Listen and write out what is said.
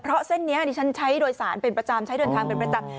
เพราะเส้นนี้ดิฉันใช้โดยสารเป็นประจำใช้เดินทางเป็นประจำ